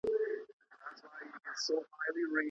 ايا هوښياران د جبري نکاح ضررونه سنجوي؟